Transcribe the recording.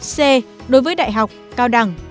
c đối với đại học cao đẳng